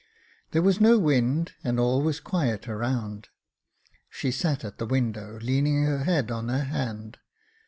There was no wind, and all was quiet around. She sat at the window, leaning her head on her hand.